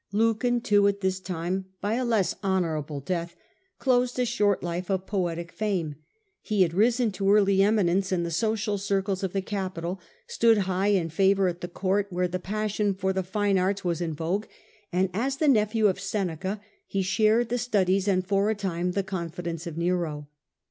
Lucan too at this time, by a less honourable death, closed a short life of poetic fame. He had risen to early eminence in the social circles of the capital, stood high in favour at the court, where the passion for the fine arts was in vogue, and, as the nephew of Seneca, he shared the studies and for a time the confidence of Nero.